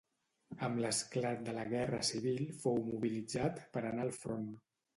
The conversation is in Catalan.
Amb l'esclat de la Guerra Civil fou mobilitzat per anar al front.